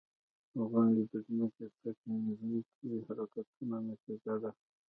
• غونډۍ د ځمکې د تکتونیکي حرکتونو نتیجه ده.